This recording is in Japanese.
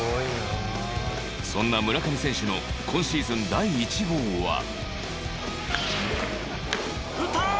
そんな村上選手の今シーズン第１号は実況：打った！